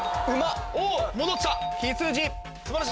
おっ戻った！